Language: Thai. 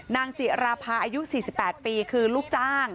จิราภาอายุ๔๘ปีคือลูกจ้าง